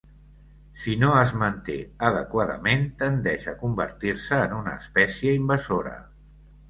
Si no es manté adequadament, tendeix a convertir-se en una espècie invasora.